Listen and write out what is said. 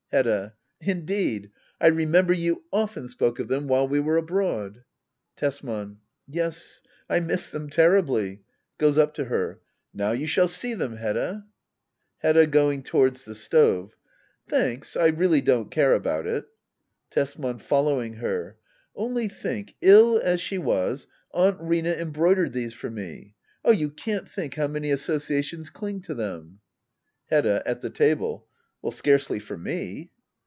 Hedda. Indeed. I remember you often spoke of them while we were abroad. Tesman. Yes, I missed them terribly. [Goes up to her.] Now you shall see them, Hedda ! Hedda. [Going towards the stove.] Thanks, I really don't care about it. Tesman. [Following her.] Only think — ill as she was. Aunt Rina embroidered these for me. Oh you can't think how many associations ding to them. Hedda. [At the table.] Scarcely for me.